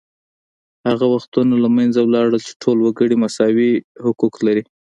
هغه وختونه له منځه لاړل چې ټول وګړي مساوي حقوق لري